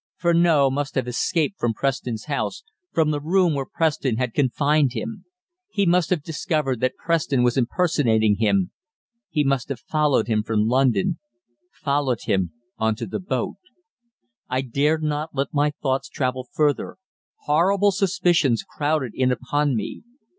Furneaux must have escaped from Preston's house, from the room where Preston had confined him. He must have discovered that Preston was impersonating him. He must have followed him from London, followed him on to the boat I dared not let my thoughts travel further. Horrible suspicions crowded in upon me.